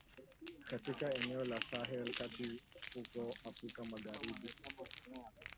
Katika eneo la Sahel kati huko Afrika magharibi